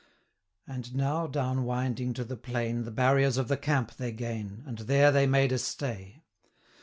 And now, down winding to the plain, The barriers of the camp they gain, 685 And there they made a stay.